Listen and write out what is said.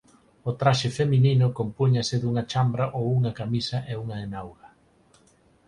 O traxe feminino compúñase dunha chambra ou unha camisa e unha enauga.